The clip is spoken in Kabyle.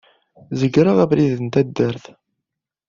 Zegreɣ abrid n taddart.